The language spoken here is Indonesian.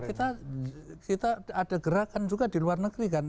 kita ada gerakan juga di luar negeri kan